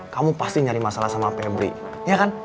kamu pasti nyari masalah sama pebri ya kan